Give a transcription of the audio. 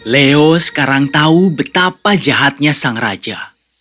leo sekarang tahu betapa jahatnya sang raja